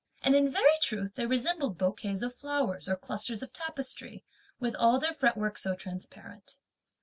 And in very truth they resembled bouquets of flowers or clusters of tapestry, with all their fretwork so transparent.